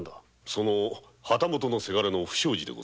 その旗本のセガレの不祥事で。